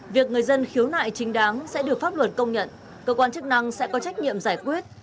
việc người dân khiếu nại chính đáng sẽ được pháp luật công nhận cơ quan chức năng sẽ có trách nhiệm giải quyết